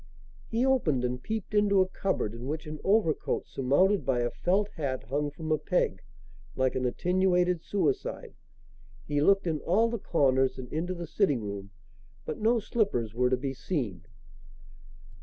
He opened and peeped into a cupboard in which an overcoat surmounted by a felt hat hung from a peg like an attenuated suicide; he looked in all the corners and into the sitting room, but no slippers were to be seen.